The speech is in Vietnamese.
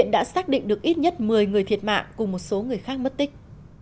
điện được ít nhất một mươi người thiệt mạng cùng một số người khác mất tích